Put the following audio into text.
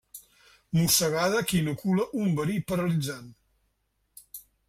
Mossegada que inocula un verí paralitzant.